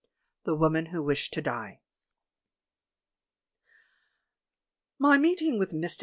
THE WOMAN WHO WISHED TO DIE My meeting with JVIr.